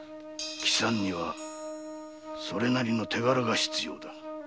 帰参にはそれなりの手柄が必要だ。